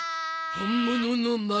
本物の孫。